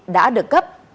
đã được cấp